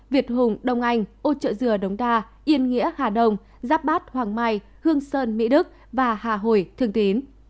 việt hùng đông anh ô trợ dừa đống đa yên nghĩa hà đông giáp bát hoàng mai hương sơn mỹ đức và hà hồi thương tín